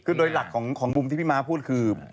คือโดยหลักของมุมที่พี่ม้าพูดคือ